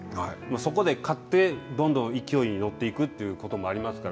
そこで勝ってどんどん勢いに乗っていくということもありますから。